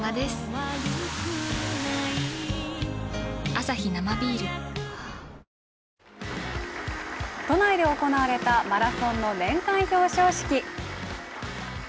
「アサヒザ・リッチ」新発売都内で行われたマラソン年間表彰式。